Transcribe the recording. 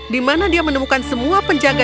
di mana dia menemukan semua penjaga